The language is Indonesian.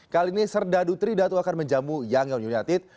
kali ini serdadu tridatu akan menjamu yangel united